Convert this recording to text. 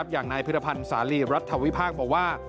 อย่างนายพิทธิภัณฑ์สาลีรัฐวิภาคบอกว่า